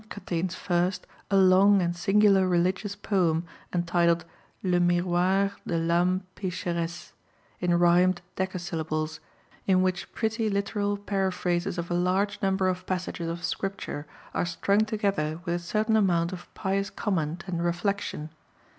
contains first a long and singular religious poem entitled Le Miroir de l'Ame Pécheresse, in rhymed decasyllables, in which pretty literal paraphrases of a large number of passages of Scripture are strung together with a certain amount of pious comment and reflection.